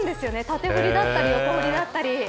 縦振りだったり、横振りだったり